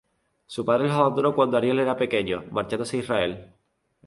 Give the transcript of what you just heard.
Su padre los abandonó cuando Ariel era pequeño, marchándose a Israel.